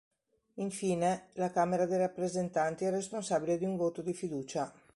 Infine, la Camera dei rappresentanti è responsabile di un voto di fiducia.